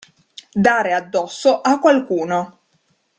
Dare addosso a qualcuno.